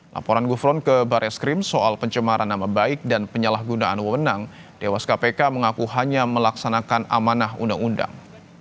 laporan gufron ke barreskrim soal pencemaran nama baik dan penyalahgunaan wewenang dewas kpk mengaku hanya melaksanakan amanah undang undang